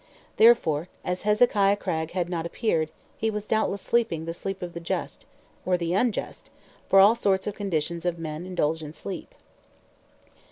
Therefore, as Hezekiah Cragg had not appeared, he was doubtless sleeping the sleep of the just or the unjust, for all sorts and conditions of men indulge in sleep.